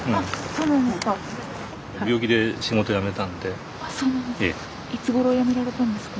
そうなんですか。